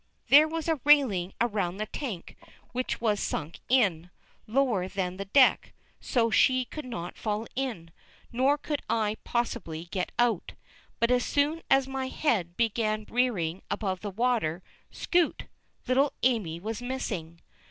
There was a railing around the tank, which was sunk in, lower than the deck, so she could not fall in, nor could I possibly get out, but as soon as my head began rearing above the water, scoot! little Amy was missing.